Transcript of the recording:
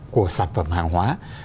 của sản phẩm hàng hóa